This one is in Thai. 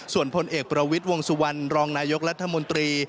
ส่วนพลเอกประวิทย์วงสุวรรณรองนายกรัฐมนตรี